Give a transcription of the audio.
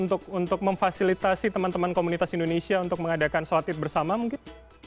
untuk memfasilitasi teman teman komunitas indonesia untuk mengadakan sholat id bersama mungkin